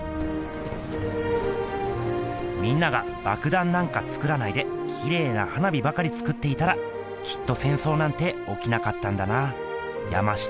「みんなが爆弾なんかつくらないできれいな花火ばかりつくっていたらきっと戦争なんて起きなかったんだな山下清」。